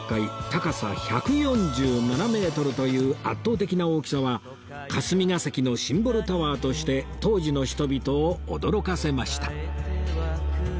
高さ１４７メートルという圧倒的な大きさは霞が関のシンボルタワーとして当時の人々を驚かせました